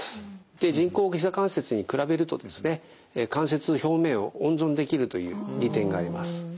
で人工ひざ関節に比べるとですね関節の表面を温存できるという利点があります。